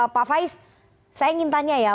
pak faiz saya ingin tanya ya